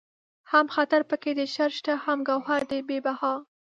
هم خطر پکې د شر شته هم گوهر دئ بې بها